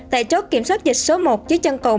tại chốt kiểm soát dịch số một dưới chân cầu